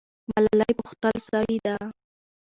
ملالۍ پوښتل سوې ده.